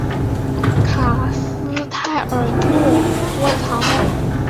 卡斯泰尔诺多藏。